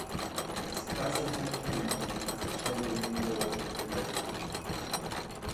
It is classified chemically as a phenylindole derivative.